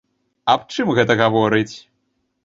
Аб чым гэта гаворыць?